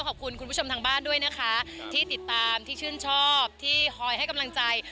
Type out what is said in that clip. ขอบคุณคุณผู้ชมทางบ้านด้วยนะคะที่ติดตามที่ชื่นชอบที่คอยให้กำลังใจ